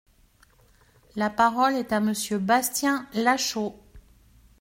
La parole est à Monsieur Bastien Lachaud.